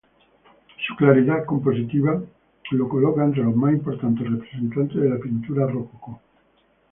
Su claridad compositiva lo coloca entre los más importantes representantes de la pintura rococó.